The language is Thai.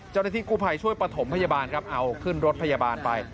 เจ้าหน้าที่กู้ภัยช่วยประถมพยาบาลครับเอาขึ้นรถพยาบาลไป